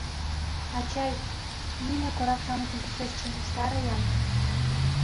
Ачай, нине корак-шамычым тышеч чоҥештаре-ян!